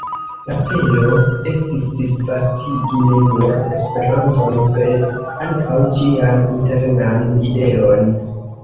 La celo estis disvastigi ne nur Esperanton, sed ankaŭ ĝian internan ideon.